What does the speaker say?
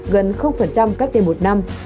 gần cách đây một năm